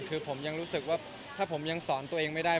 คือผมยังรู้สึกว่าถ้าผมยังสอนตัวเองไม่ได้